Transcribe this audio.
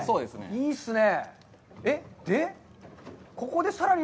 いいですね。